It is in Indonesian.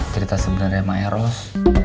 cerita sebenarnya sama eros